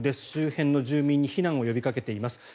周辺の住民に避難を呼びかけています。